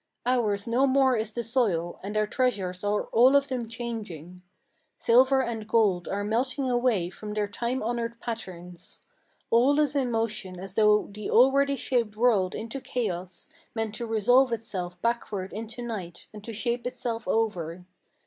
Ours no more is the soil, and our treasures are all of them changing: Silver and gold are melting away from their time honored patterns. All is in motion as though the already shaped world into chaos Meant to resolve itself backward into night, and to shape itself over.